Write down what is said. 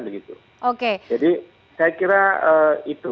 jadi saya kira itu